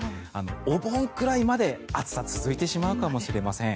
お盆くらいまで、暑さ続いてしまうかもしれません。